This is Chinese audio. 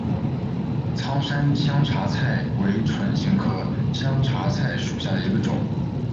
苍山香茶菜为唇形科香茶菜属下的一个种。